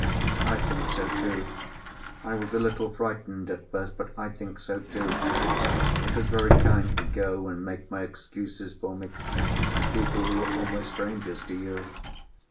"I think so, too. I was a little frightened at first, but I think so too. It was very kind to go and make my excuses for me to people who are almost strangers to you.